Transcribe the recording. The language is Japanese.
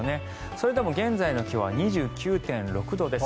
それでも現在の気温は２９．６度です。